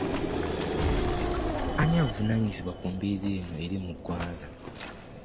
Ani avunaanyizibwa ku mbeera eno eri mu ggwanga?